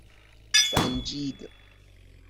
سنجید